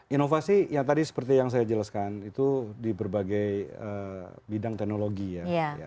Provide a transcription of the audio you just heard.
inovasi yang tadi seperti yang saya jelaskan itu di berbagai bidang teknologi ya